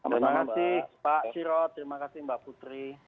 terima kasih pak sirot terima kasih mbak putri